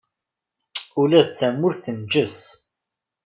Ula d tamurt tenǧes.